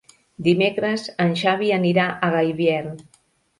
Dimecres en Xavi anirà a Gaibiel.